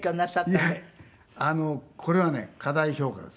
いやこれはね過大評価です。